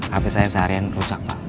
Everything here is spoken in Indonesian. habis saya seharian rusak pak